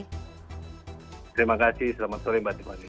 terima kasih selamat sore mbak tiffany